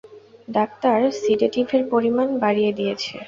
Doctor সিডেটিভের পরিমাণ বাড়িয়ে দিয়েছে।